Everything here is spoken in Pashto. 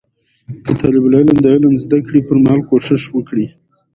که طالب العلم د علم د زده کړې پر مهال کوشش وکړي